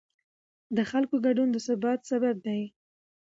د خلکو ګډون د ثبات سبب دی